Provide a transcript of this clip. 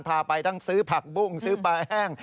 พาไปทั้งซื้อผักบุ้งซื้อปลาแห้ง